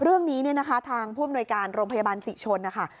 เรื่องนี้เนี่ยนะคะทางผู้อำนวยการโรงพยาบาลศรีชนนะคะ